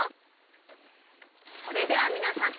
それではみなさん